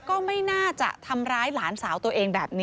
ก็ไม่น่าจะทำร้ายหลานสาวตัวเองแบบนี้